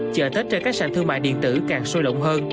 chợ tết trên các sàn thương mại điện tử càng sôi động hơn